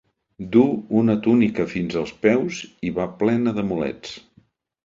Du una túnica fins als peus i va plena d'amulets.